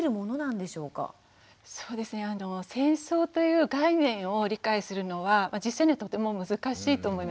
そうですね戦争という概念を理解するのは実際にはとても難しいと思います。